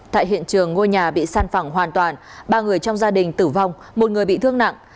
tại hiện trường ngôi nhà bị săn phẳng hoàn toàn ba người trong gia đình tử vong một người bị thương nặng